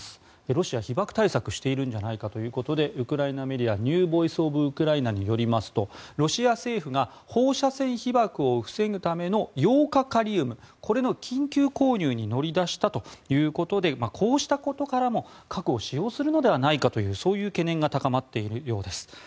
ロシア被ばく対策しているんじゃないかということでウクライナメディアニュー・ボイス・オブ・ウクライナによりますとロシア政府が放射線被ばくを防ぐためのヨウ化カリウムこれの緊急購入に乗り出したということでこうしたことからも核を使用するのではないかというそういう懸念が高まっているようです。